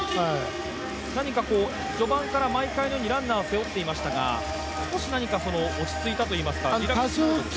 何か、序盤から毎回のようにランナーを背負っていましたが少し何か落ち着いたといいますか、リラックスした感じですか？